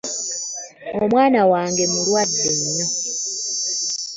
Omwana wange mulwadde nnyo.